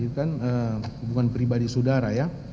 itu kan hubungan pribadi saudara ya